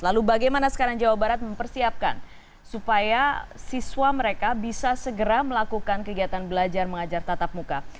lalu bagaimana sekarang jawa barat mempersiapkan supaya siswa mereka bisa segera melakukan kegiatan belajar mengajar tatap muka